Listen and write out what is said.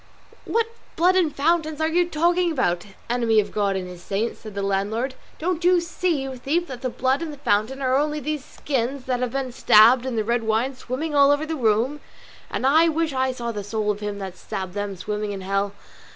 "What blood and fountains are you talking about, enemy of God and his saints?" said the landlord. "Don't you see, you thief, that the blood and the fountain are only these skins here that have been stabbed and the red wine swimming all over the room? and I wish I saw the soul of him that stabbed them swimming in hell."